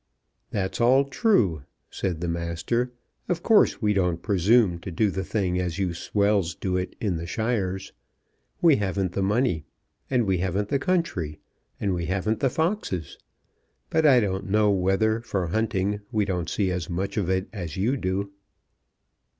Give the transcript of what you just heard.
"That's all true," said the Master. "Of course we don't presume to do the thing as you swells do it down in the Shires. We haven't the money, and we haven't the country, and we haven't the foxes. But I don't know whether for hunting we don't see as much of it as you do."